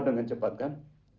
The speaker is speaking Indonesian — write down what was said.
dengan cepat kan